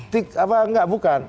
tik apa enggak bukan